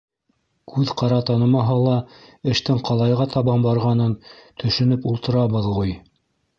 Күҙ ҡара танымаһа ла, эштең ҡалайға табан барғанын төшөнөп ултырабыҙ ғуй.